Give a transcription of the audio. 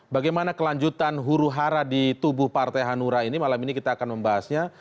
bagaimana kelanjutan huru hara di tubuh partai hanura ini malam ini kita akan membahasnya